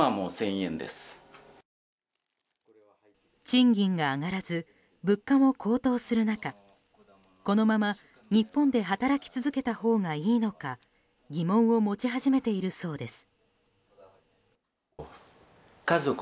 賃金が上がらず物価も高騰する中このまま日本で働き続けたほうがいいのか疑問を持ち始めているそうです。